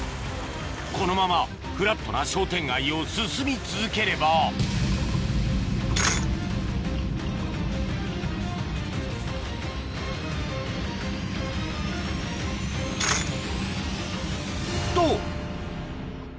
このままフラットな商店街を進み続ければと！